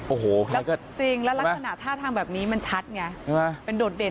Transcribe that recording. โอ้โหจริงแล้วลักษณะท่าทางแบบนี้มันชัดไงใช่ไหมเป็นโดดเด่น